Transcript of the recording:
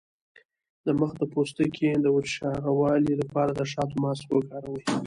د مخ د پوستکي د وچوالي لپاره د شاتو ماسک وکاروئ